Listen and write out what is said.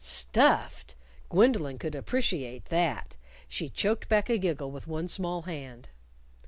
Stuffed! Gwendolyn could appreciate that. She choked back a giggle with one small hand.